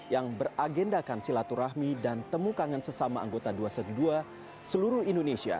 yang beragendakan silaturahmi dan temukan sesama anggota dua ratus dua belas seluruh indonesia